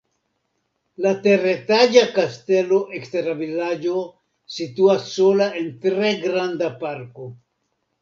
La teretaĝa kastelo ekster la vilaĝo situas sola en tre granda parko.